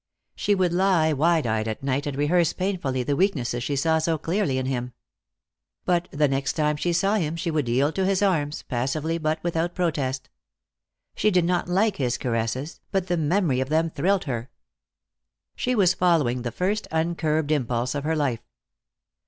She would lie wide eyed at night and rehearse painfully the weaknesses she saw so clearly in him. But the next time she saw him she would yield to his arms, passively but without protest. She did not like his caresses, but the memory of them thrilled her. She was following the first uncurbed impulse of her life.